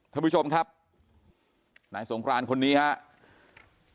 ท่านผู้ชมครับนายสงครานคนนี้ครับ